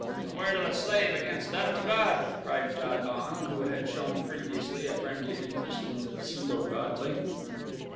"The word of a slave against that of a god!" cried Ja don, who had shown previously a friendly interest in the pseudo godling.